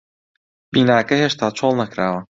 بیناکە هێشتا چۆڵ نەکراوە.